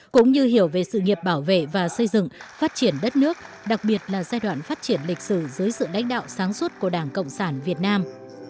cũng như hiểu về sự nghiệp bảo vệ và xây dựng phát triển đất nước đặc biệt là giai đoạn phát triển lịch sử dưới sự đánh đạo sáng suốt của đảng cộng sản việt nam